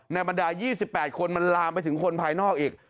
บรรดา๒๘คนมันลามไปถึงคนภายนอกอีก